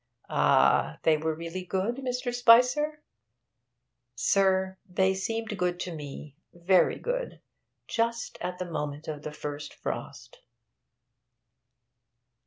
'Ah! They were really good, Mr. Spicer?' 'Sir, they seemed good to me, very good. Just at the moment of the first frost!'